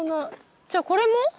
じゃこれも？